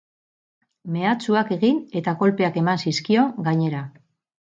Mehatxuak egin eta kolpeak eman zizkion, gainera.